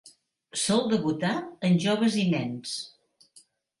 Sol debutar en joves i nens.